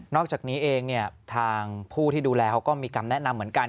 อกจากนี้เองทางผู้ที่ดูแลเขาก็มีคำแนะนำเหมือนกัน